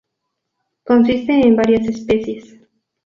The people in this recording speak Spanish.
Consiste en varias especies.